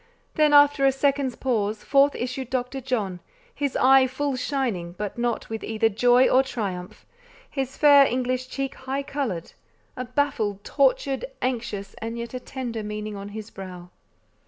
Then, after a second's pause, forth issued Dr. John, his eye full shining, but not with either joy or triumph; his fair English cheek high coloured; a baffled, tortured, anxious, and yet a tender meaning on his brow.